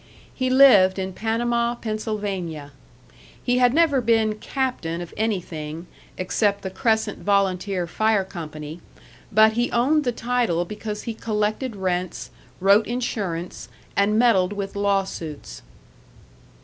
He lived in Panama, Pennsylvania. He had never been "captain" of anything except the Crescent Volunteer Fire Company, but he owned the title because he collected rents, wrote insurance, and meddled with lawsuits.